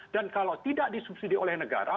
dan kalau tidak disubsidi oleh negara